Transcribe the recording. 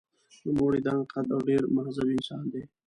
نوموړی دنګ قد او ډېر مهذب انسان دی.